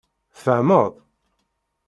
Tfehmeḍ?